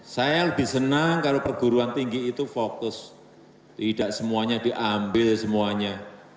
saya lebih senang kalau perguruan tinggi itu fokus tidak semuanya diambil semuanya